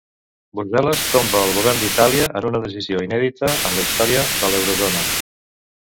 Brussel·les tomba el govern d'Itàlia en una decisió inèdita en la història de l'eurozona.